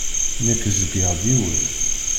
Nekk ẓẓgeɣ-d yiwet.